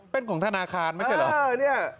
เป็นของธนาคารไม่ใช่เหรอ